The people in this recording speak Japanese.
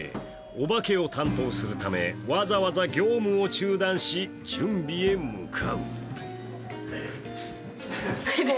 お化けを担当するため、わざわざ業務を中断し、準備へ向かう。